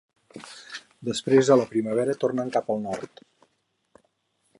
Després a la primavera tornen cap al nord.